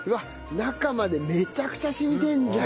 中までめちゃくちゃ染みてるじゃん！